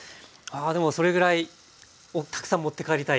でもそれぐらいたくさん持って帰りたい。